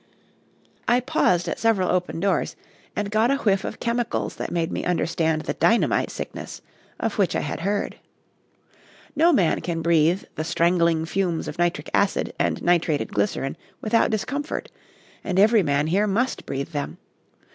I paused at several open doors, and got a whiff of chemicals that made me understand the dynamite sickness of which I had heard. No man can breathe the strangling fumes of nitric acid and nitrated glycerin without discomfort, and every man here must breathe them.